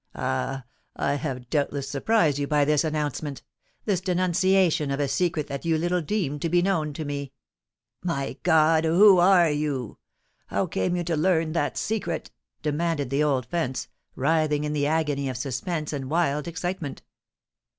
"Ah! I have doubtless surprised you by this announcement—this denunciation of a secret that you little deemed to be known to me!" "My God! who are you?—how came you to learn that secret?" demanded the old fence, writhing in the agony of suspense and wild excitement.